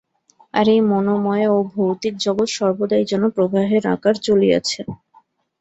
আর এই মনোময় ও ভৌতিক জগৎ সর্বদাই যেন প্রবাহের আকার চলিয়াছে।